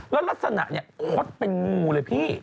แล้วลักษณะคลอดเป็นงูเลยพี่